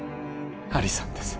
アリさんです